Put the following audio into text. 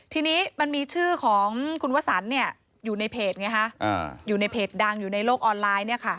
ทีนี้มันมีชื่อของคุณวสันอยู่ในเพจไงฮะอยู่ในเพจดังอยู่ในโลกออนไลน์